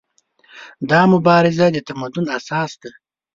دا مبارزه د تمدن اساس ده.